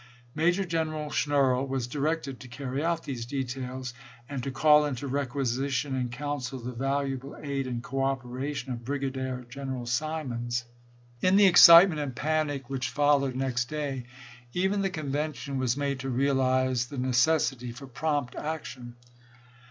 Major General Schnierle was directed to carry out these details, and to call into requisition and counsel the valu able aid and cooperation of Brigadier General Simons. THE MILITARY SITUATION AT CHARLESTON 117 In the excitement and panic which followed chap.ix. next day, even the convention was made to realize the necessity for prompt action.